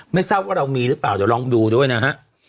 ทราบว่าเรามีหรือเปล่าเดี๋ยวลองดูด้วยนะฮะ